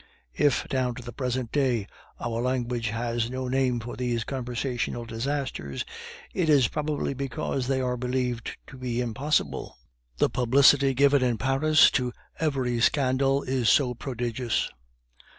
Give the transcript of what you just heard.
If, down to the present day, our language has no name for these conversational disasters, it is probably because they are believed to be impossible, the publicity given in Paris to every scandal is so prodigious.